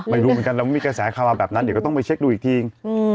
ไม่รู้เหมือนกันแล้วมีกระแสข่าวมาแบบนั้นเดี๋ยวก็ต้องไปเช็คดูอีกที